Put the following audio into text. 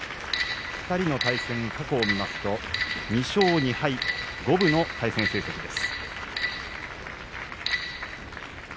２人の対戦、過去を見ますと２勝２敗、五分の対戦成績です。